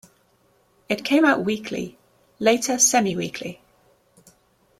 It came out weekly, later semi-weekly.